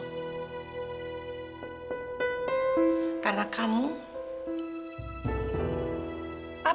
eh apa keer ke spacex pak